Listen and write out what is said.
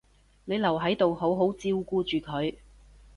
你留喺度好好照顧住佢